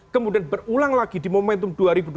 kemudian berulang lagi di momentum dua ribu dua puluh